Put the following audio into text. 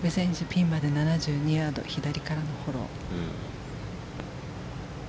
ピンまで７２ヤード左からのフォロー。